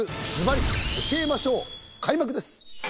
開幕です。